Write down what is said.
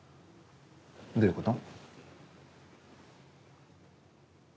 どういうこと？